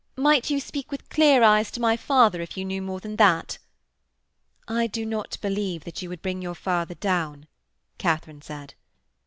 'Might you speak with clear eyes to my father if you knew more than that?' 'I do not believe that you would bring your father down,' Katharine said.